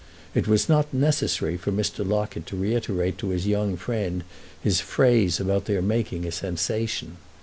It was not necessary for Mr. Locket to reiterate to his young friend his phrase about their making a sensation.